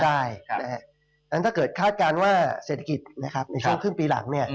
เพราะฉะนั้นถ้าเกิดคาดการณ์ว่าเศรษฐกิจในช่วงครึ่งปีหลัง